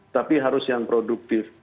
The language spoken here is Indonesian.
tapi harus yang produktif